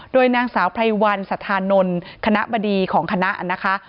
โดยนางสาวไพรวันสัทธานนท์คณะบดีของคณะนะคะ